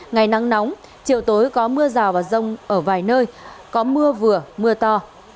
ngày nắng nóng chiều tối có mưa rào và rông ở vài nơi có mưa vừa mưa to